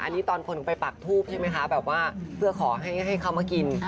อันนี้ตอนคนไปปากทูบใช่ไหมคะแบบว่าเพื่อขอให้เขามากิน